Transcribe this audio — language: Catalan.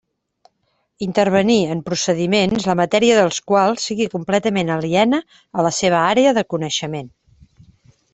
Intervenir en procediments la matèria dels quals sigui completament aliena a la seva àrea de coneixement.